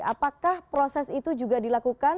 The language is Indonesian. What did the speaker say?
apakah proses itu juga dilakukan